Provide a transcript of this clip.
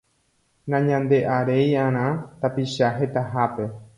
Nañandearéiarã tapicha hetahápe.